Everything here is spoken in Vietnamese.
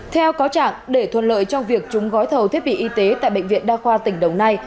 theo cáo trạng để thuận lợi cho việc trúng gói thầu thiết bị y tế tại bệnh viện đa khoa tỉnh đồng nai